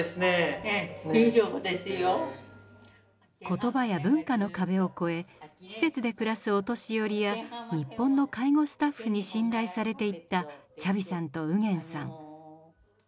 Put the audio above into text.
言葉や文化の壁を越え施設で暮らすお年寄りや日本の介護スタッフに信頼されていったチャビさんとウゲンさん。